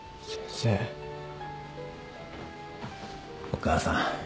お母さん。